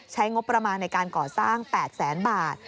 ใช้งบประมาณในการก่อสร้าง๘แสนบาท